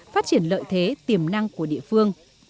phát triển lợi thế tiềm năng của địa phương